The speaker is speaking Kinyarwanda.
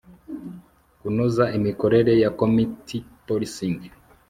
kunoza imikorere ya community policing